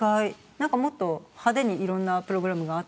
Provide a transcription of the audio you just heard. なんかもっと派手に色んなプログラムがあった中で。